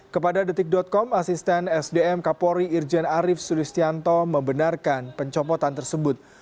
kepada detik com asisten sdm kapolri irjen arief sulistianto membenarkan pencopotan tersebut